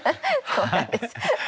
そうなんです。